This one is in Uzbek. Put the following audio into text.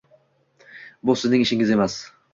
Bu sizning ishingiz emas!